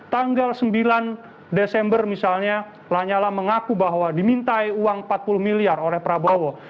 tanggal sembilan desember misalnya lanyala mengaku bahwa dimintai uang empat puluh miliar oleh prabowo